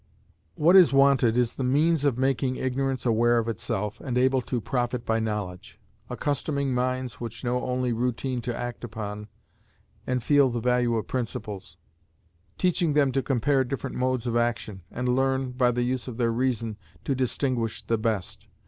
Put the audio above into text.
What is wanted is the means of making ignorance aware of itself, and able to profit by knowledge; accustoming minds which know only routine to act upon, and feel the value of principles; teaching them to compare different modes of action, and learn, by the use of their reason, to distinguish the best.